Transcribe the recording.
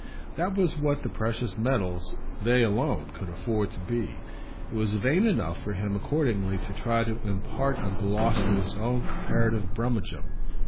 That was what the precious metals they alone could afford to be; it was vain enough for him accordingly to try to impart a gloss to his own comparative brummagem.